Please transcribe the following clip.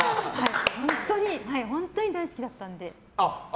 本当に大好きだったので。